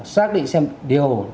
xác định xem điều